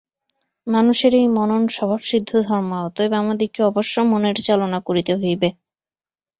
মানুষের এই মনন স্বভাবসিদ্ধ ধর্ম, অতএব আমাদিগকে অবশ্য মনের চালনা করিতে হইবে।